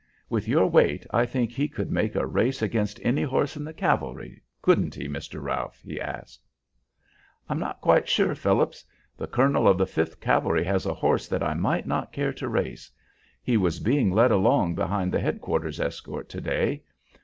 "With your weight I think he could make a race against any horse in the cavalry, couldn't he, Mr. Ralph?" he asked. "I'm not quite sure, Phillips; the colonel of the Fifth Cavalry has a horse that I might not care to race. He was being led along behind the head quarters escort to day.